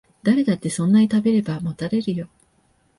誰だってそんなに食べればもたれるよ